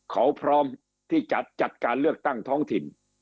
เขาพร้อมที่จะจัดการเลือกตั้งท้องถิ่น